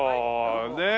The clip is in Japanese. ねえ。